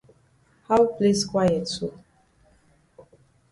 How place quiet so?